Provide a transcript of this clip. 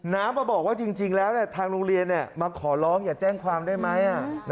มาบอกว่าจริงแล้วทางโรงเรียนมาขอร้องอย่าแจ้งความได้ไหม